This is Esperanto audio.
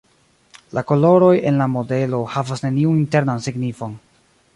La koloroj en la modelo havas neniun internan signifon.